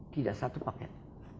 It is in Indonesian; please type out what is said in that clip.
tidak satu paket